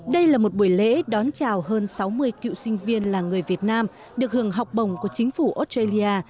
đây là một buổi lễ đón chào hơn sáu mươi cựu sinh viên là người việt nam được hưởng học bổng của chính phủ australia